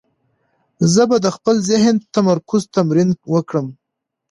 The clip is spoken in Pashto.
زه به د خپل ذهني تمرکز تمرین وکړم.